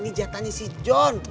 ini jatahnya si john